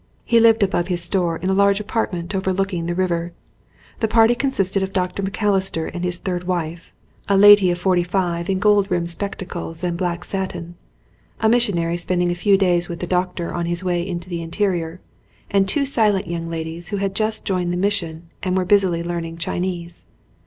He lived above his store in a large apartment overlooking the river. The party con sisted of Dr. Macalister and his third wife, a lady 81 ON A CHINESE SCEEEN of forty five in gold rimmed spectacles and black satin, a missionary spending a few days with the doctor on his way into the interior, and two silent young ladies who had just joined the mission and were busily learning Chinese.